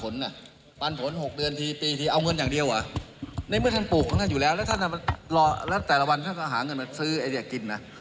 แล้วแต่ละวันท่านก็หาเงินมาซื้อไอ้เด็กกินน่ะ